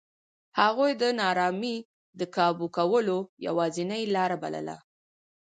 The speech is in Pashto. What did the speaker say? هغوی د نارامۍ د کابو کولو یوازینۍ لار بلله.